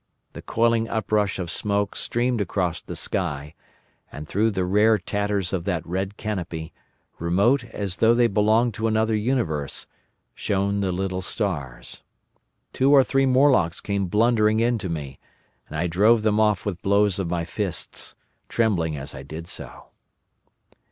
The coiling uprush of smoke streamed across the sky, and through the rare tatters of that red canopy, remote as though they belonged to another universe, shone the little stars. Two or three Morlocks came blundering into me, and I drove them off with blows of my fists, trembling as I did so.